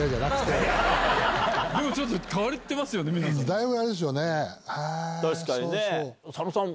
だいぶあれですよね。